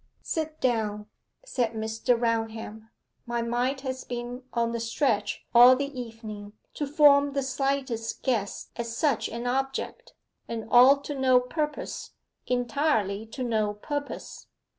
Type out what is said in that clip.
'Sit down,' said Mr. Raunham. 'My mind has been on the stretch all the evening to form the slightest guess at such an object, and all to no purpose entirely to no purpose.